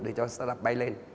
để cho startup bay lên